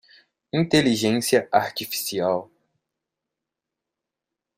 Inteligência Artificial.